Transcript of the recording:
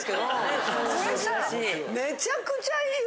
めちゃくちゃいい。